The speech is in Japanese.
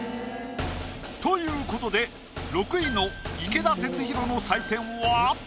ということで６位の池田鉄洋の採点は。